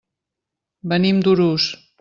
Venim d'Urús.